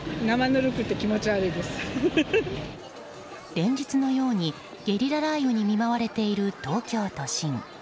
連日のようにゲリラ雷雨に見舞われている東京都心。